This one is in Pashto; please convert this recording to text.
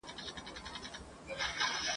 جګه لکه ونه د چینار په پسرلي کي !.